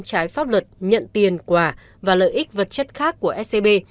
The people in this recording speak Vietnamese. trái pháp luật nhận tiền quà và lợi ích vật chất khác của scb